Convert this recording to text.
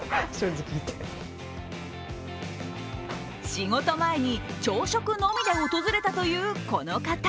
仕事前に朝食のみで訪れたというこの方。